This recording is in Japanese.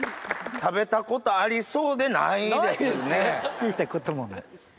聞いたこともない。